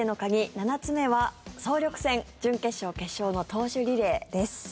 ７つ目は総力戦準決勝・決勝の投手リレーです。